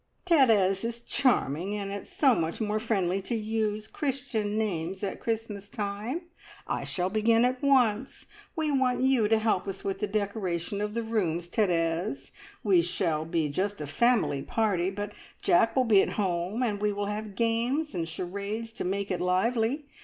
"Therese is charming, and it's so much more friendly to use Christian names at Christmas time. I shall begin at once. We want you to help us with the decoration of the rooms, Therese! We shall be just a family party, but Jack will be at home, and we will have games and charades to make it lively.